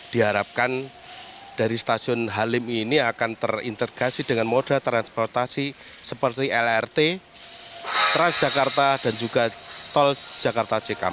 diharapkan dari stasiun halim ini akan terintegrasi dengan moda transportasi seperti lrt transjakarta dan juga tol jakarta cikampek